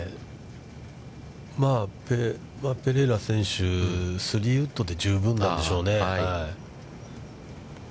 ペレイラ選手、３ウッドで十分なんでしょうね。